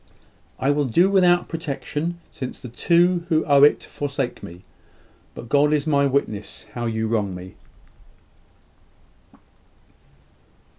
I will do without protection, since the two who owe it forsake me: but God is my witness how you wrong me."